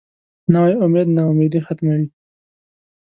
نوی امید نا امیدي ختموي